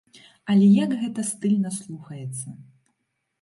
Але як гэта стыльна слухаецца!